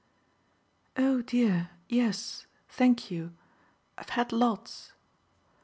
"Oh dear yes, thank you I've had lots."